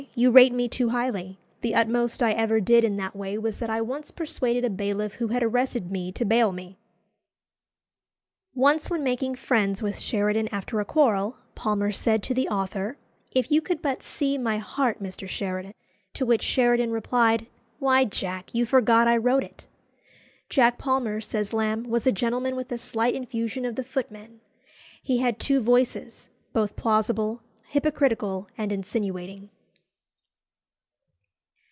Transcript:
You rate me too highly. The utmost I ever did in that way was that I once persuaded a bailiff who had arrested me to bail me." Once when making friends with Sheridan after a quarrel, Palmer said to the author, "If you could but see my heart, Mr. Sheridan!" to which Sheridan replied, "Why, Jack, you forgot I wrote it." "Jack Palmer," says Lamb, "was a gentleman with a slight infusion of the footman." He had two voices, both plausible, hypocritical, and insinuating.